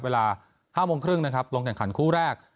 เวลา๕โมงครึ่งนะครับลงแข่งขันคู่แรก